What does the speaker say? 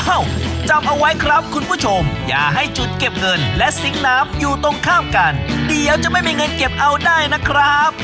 จำเอาไว้ครับคุณผู้ชมอย่าให้จุดเก็บเงินและซิงค์น้ำอยู่ตรงข้ามกันเดี๋ยวจะไม่มีเงินเก็บเอาได้นะครับ